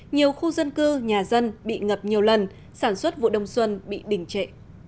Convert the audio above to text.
nhiều khu dân cư nhà dân bị ngập nhiều lần sản xuất vụ đông xuân bị đình trệ